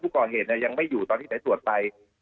ผู้ก่อเหตุยังไม่อยู่ตอนที่สาจตัวไป